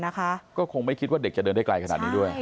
นะคะก็คงไม่คิดว่าเด็กจะเดินได้ไกลขนาดนี้ด้วย